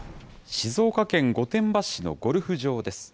静岡県御殿場市のゴルフ場です。